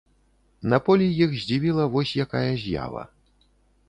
На полі іх здзівіла вось якая з'ява.